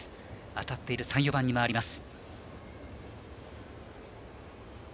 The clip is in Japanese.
当たっている３番４番に回ります。